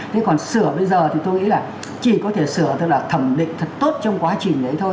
thế còn sửa bây giờ thì tôi nghĩ là chỉ có thể sửa tức là thẩm định thật tốt trong quá trình đấy thôi